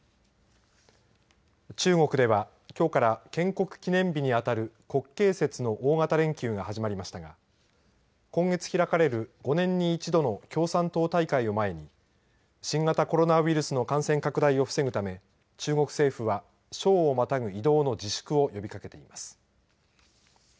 中国ではきょうから建国記念日にあたる国慶節の大型連休が始まりましたが今月開かれる５年に１度の共産党大会を前に新型コロナウイルスの感染拡大を防ぐため中国政府は省をまたぐ移動の自粛を呼びかけています。